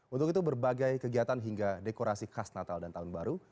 untuk itu berbagai kegiatan hingga dekorasi khas natal dan tahun baru